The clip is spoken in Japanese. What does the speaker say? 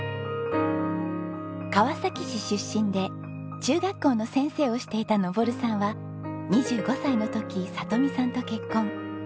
川崎市出身で中学校の先生をしていた昇さんは２５歳の時里美さんと結婚。